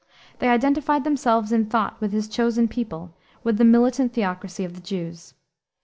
They identified themselves in thought with his chosen people, with the militant theocracy of the Jews.